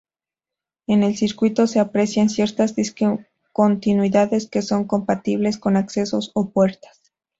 En el circuito se aprecian ciertas discontinuidades que son compatibles con accesos o puertas.